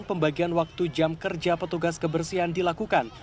pembagian waktu jam kerja petugas kebersihan dilakukan